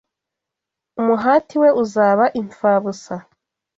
umuhati we uzaba imfabusa